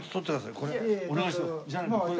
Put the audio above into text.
これお願いします。